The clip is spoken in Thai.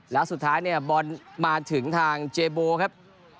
แล้วสุดท้ายเนี่ยบอลมาถึงทางเจโบครับ